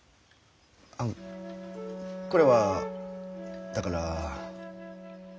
あのこれはだから。